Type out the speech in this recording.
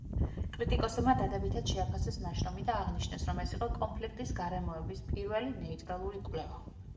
კრიტიკოსებმა დადებითად შეაფასეს ნაშრომი და აღნიშნეს, რომ ეს იყო კონფლიქტის გარემოების პირველი ნეიტრალური კვლევა.